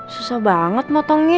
susah banget motongnya